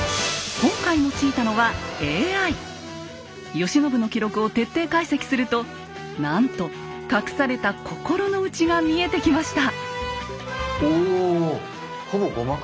慶喜の記録を徹底解析するとなんと隠された心の内が見えてきました。